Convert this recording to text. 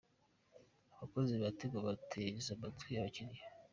Abakozi ba Tigo bateze amatwi abakiriya